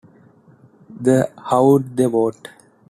The How'd They Vote?